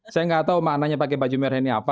saya nggak tahu maknanya pakai baju merah ini apa